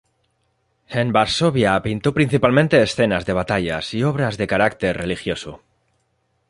En Varsovia pintó principalmente escenas de batallas y obras de carácter religioso.